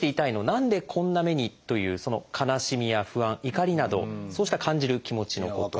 「何でこんな目に」というその悲しみや不安怒りなどそうした感じる気持ちのこと。